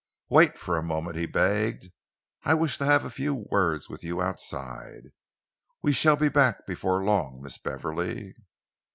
"Wait for a moment," he begged. "I wish to have a few words with you outside. We shall be back before long, Miss Beverley."